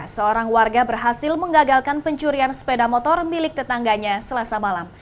seorang warga berhasil mengagalkan pencurian sepeda motor milik tetangganya selasa malam